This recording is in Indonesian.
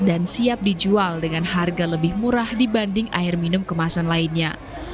dan siap dijual dengan harga lebih murah dibanding air minum kemasan lainnya